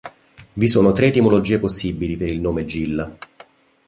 Vi sono tre etimologie possibili per il nome Gil.